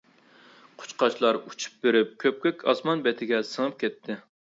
قۇشقاچلار ئۇچۇپ بېرىپ كۆپكۆك ئاسمان بېتىگە سىڭىپ كەتتى.